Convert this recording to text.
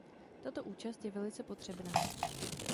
Tato účast je velice potřebná.